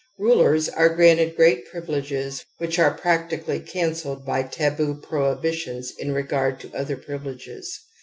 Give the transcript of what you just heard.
Rulers are granted great privileges which are practically cancelled by taboo prohibitions in regard to other privileges.